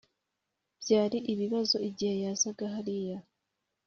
byari ibibazo igihe yazaga hariya